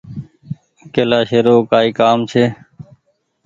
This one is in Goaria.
ڪيلآشي رو ڪآئي ڪآم ڇي۔